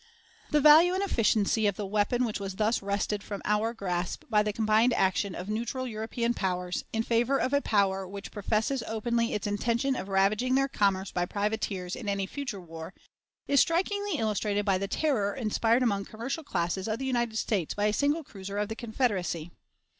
The value and efficiency of the weapon which was thus wrested from our grasp by the combined action of "neutral" European powers, in favor of a power which professes openly its intention of ravaging their commerce by privateers in any future war, is strikingly illustrated by the terror inspired among commercial classes of the United States by a single cruiser of the Confederacy.